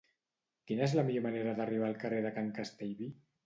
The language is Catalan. Quina és la millor manera d'arribar al carrer de Can Castellví?